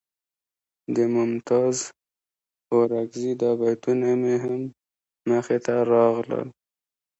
د ممتاز اورکزي دا بیتونه مې هم مخې ته راغلل.